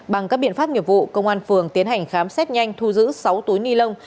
bằng các biện pháp nghiệp vụ công an phường tiến hành khám xét nhanh thu giữ sáu túi ni lông